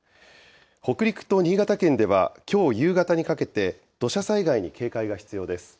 北陸と新潟県ではきょう夕方にかけて、土砂災害に警戒が必要です。